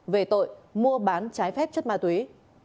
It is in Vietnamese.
về tội mua bán trái phép chất ma túy